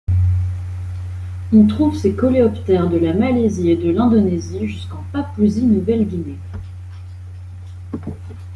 On trouve ces coléoptères de la Malaisie et de l'Indonésie jusqu'en Papouasie-Nouvelle-Guinée.